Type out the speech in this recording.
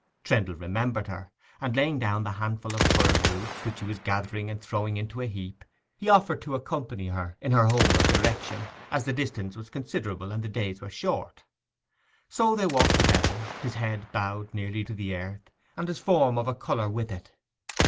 Trendle remembered her, and laying down the handful of furze roots which he was gathering and throwing into a heap, he offered to accompany her in her homeward direction, as the distance was considerable and the days were short. So they walked together, his head bowed nearly to the earth, and his form of a colour with it.